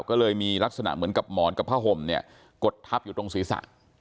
ก็เลยมีลักษณะเหมือนกับหมอนกับผ้าห่มเนี่ยกดทับอยู่ตรงศีรษะ